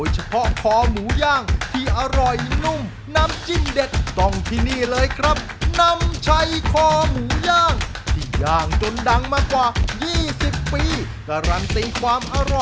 ใช่ครับไปกันเลยครับ